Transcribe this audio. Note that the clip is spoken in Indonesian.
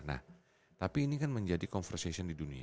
nah tapi ini kan menjadi conversation di dunia